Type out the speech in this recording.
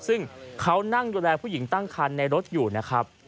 ซึ่งเขานั่งดูแลผู้หญิงตั้งคันในรถอยู่นะครับ